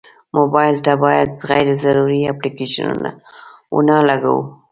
موبایل ته باید غیر ضروري اپلیکیشنونه ونه لګوو.